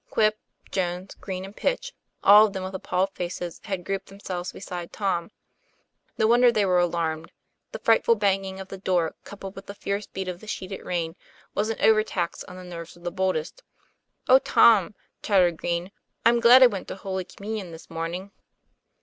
Quip, Jones, Green, and Pitch, all of them with appalled faces, had grouped them selves beside Tom. No wonder they were alarmed; the frightful banging of the door, coupled with the fierce beat of the sheeted rain, was an overtax on the nerves of the boldest. "Oh, Tom!" chattered Green," I'm glad I went to Holy Communion this morning."